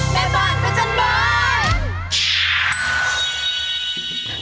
แม่บ้านพระจันทร์บ้าน